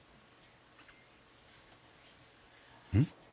うん？